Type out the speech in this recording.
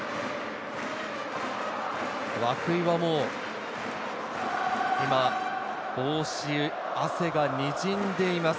涌井はもう今、帽子に汗がにじんでいます。